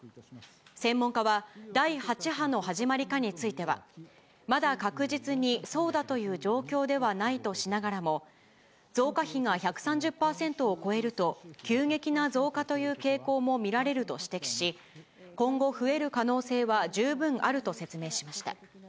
専門家は、第８波の始まりかについては、まだ確実にそうだという状況ではないとしながらも、増加比が１３０％を超えると、急激な増加という傾向も見られると指摘し、今後、増える可能性は十分あると説明しました。